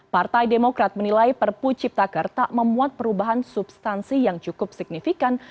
partai demokrat menilai perpu ciptaker tak memuat perubahan substansi yang cukup signifikan